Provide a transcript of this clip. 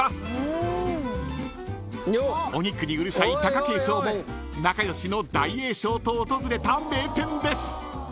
［お肉にうるさい貴景勝も仲良しの大栄翔と訪れた名店です］